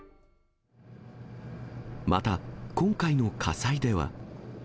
また、今回の火災では。